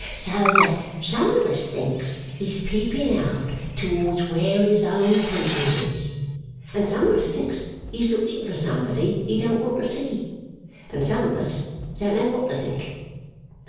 So that some of us thinks he's peeping out towards where his own country is, and some of us thinks he's looking for somebody he don't want to see, and some of us don't know what to think.